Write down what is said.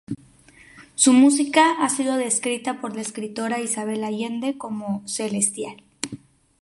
Su música ha sido descrita por la escritora Isabel Allende como ""celestial"".